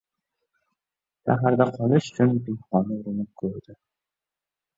Shaharda qolish uchun pinhona urinib ko‘rdi.